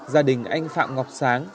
gia đình anh phạm ngọc sáng